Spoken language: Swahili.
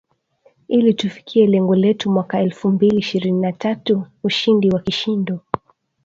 ili tufikie lengo letu mwaka elfu mbili ishrini na tatu ushindi wa kishindo